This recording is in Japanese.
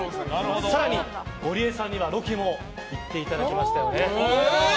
更に、ゴリエさんにはロケも行っていただきました。